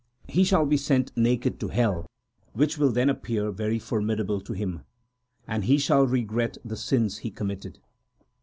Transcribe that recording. He shall be sent naked to hell, which will then appear very formidable to him ; And he shall regret the sins he committed.